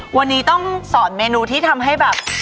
วันนี้ต้องสอนเมนูที่ทำให้แบบ